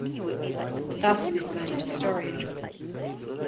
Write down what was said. Thus this learned historian.